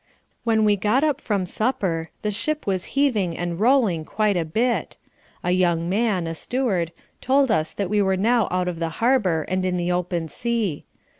When we got up from supper, the ship was heaving and rolling quite a bit. A young man, a steward, told us that we were now out of the harbor and in the open sea.